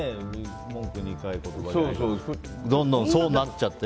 文句でどんどんそうなっちゃってね。